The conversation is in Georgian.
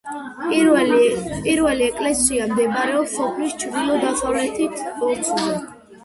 პირველი ეკლესია მდებარეობს სოფლის ჩრდილო-დასავლეთით, ბორცვზე.